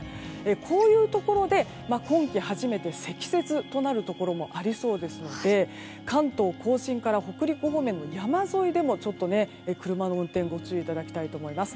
こういうところで今季初めて積雪となるところがありそうですので関東・甲信から北陸方面の山沿いでも、車の運転ご注意いただきたいと思います。